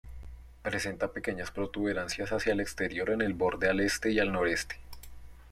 Presenta pequeñas protuberancias hacia el exterior en el borde al este y al noroeste.